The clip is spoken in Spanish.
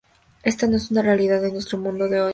Esta no es la realidad de nuestro mundo de hoy.